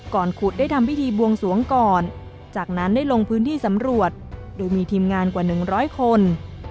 ก่อนขุดได้ทำพิธีบวงสวงก่อนจากนั้นได้ลงพื้นที่สำรวจดูมีทีมงานกว่า๑๐๐คน